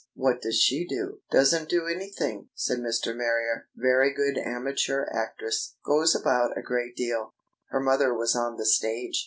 What does she do?" "Doesn't do anything," said Mr. Marrier. "Very good amateur actress. Goes about a great deal. Her mother was on the stage.